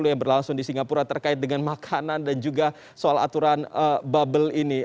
yang berlangsung di singapura terkait dengan makanan dan juga soal aturan bubble ini